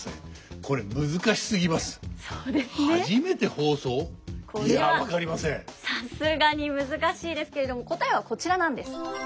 これはさすがに難しいですけれども答えはこちらなんです。